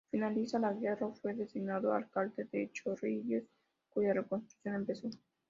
Finalizada la guerra, fue designado alcalde de Chorrillos, cuya reconstrucción empezó.